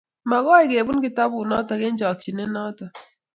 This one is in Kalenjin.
Makoi kebun kitabut noto eng chokchet noto